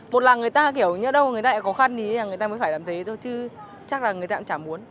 một là người ta có khó khăn gì hay thế là người ta mới phải làm thế thôi chứ chắc là người ta chả muốn